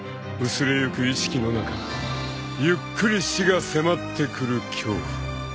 ［薄れゆく意識の中ゆっくり死が迫ってくる恐怖］